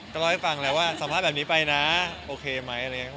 ก็รอให้ฟังแหละว่าสามารถแบบนี้ไปนะโอเคไหม